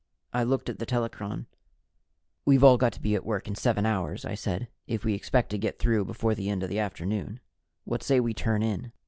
I looked at the telechron. "We've all got to be at work in seven hours," I said, "if we expect to get through before the end of the afternoon. What say we turn in?"